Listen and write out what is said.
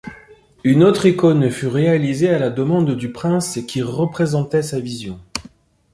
Une autre icône fut réalisée à la demande du prince qui représentait sa vision.